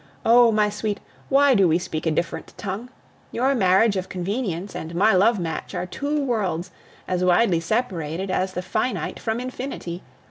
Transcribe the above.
Oh! my sweet, why do we speak a different tongue? Your marriage of convenience and my love match are two worlds, as widely separated as the finite from infinity.